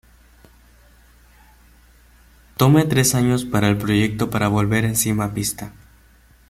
Tome tres años para el proyecto para volver encima pista.